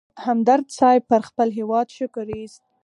همدرد صیب پر خپل هېواد شکر اېست.